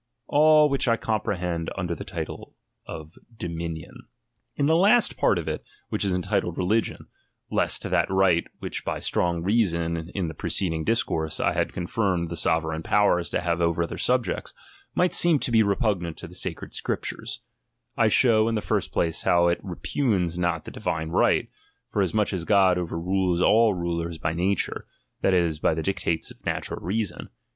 All which 1 comprehend under title of Dominion. J th( He. I do I TO THE READER. XIX In the last part of it, which is entitled Religion, lest that right, which by strong reason, in the pre ceding discourse, 1 had confirmed the sovereign powers to have over their subjects, might seem to be repugnant to the sacred Scriptures ; I show, in the first place, how it repugns not the divine right, for as much as God overrules all rulers by nature, that is, by the dictates of natural reason.